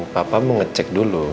papa mau ngecek dulu